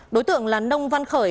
đối tượng là nông văn khởi